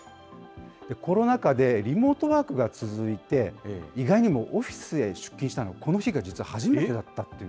コロナ禍でリモートワークが続いて、意外にもオフィスへ出勤したの、この日が実は初めてだったという